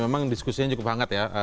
memang diskusinya cukup hangat ya